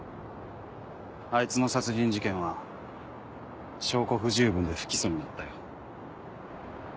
あいつの殺人事件は証拠不十分で不起訴になったよ。